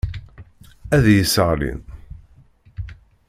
Ad iyi-sseɣlin.